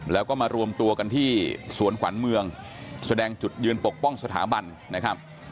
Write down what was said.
แล้วก็มารวมตัวกันที่สวนขวัญเมืองแสดงจุดยืนปกป้องสถาบันนะครับ